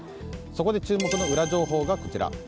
そこで注目のウラ情報がこちら。